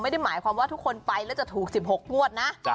ไม่ได้หมายความว่าทุกคนไปแล้วจะถูก๑๖งวดนะ